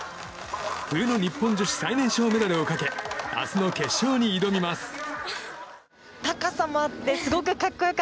冬の日本女子最年少メダルをかけ明日の決勝に挑みます。